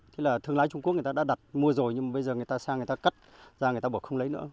thế là thương lái trung quốc người ta đã đặt mua rồi nhưng mà bây giờ người ta sang người ta cắt ra người ta bỏ không lấy nữa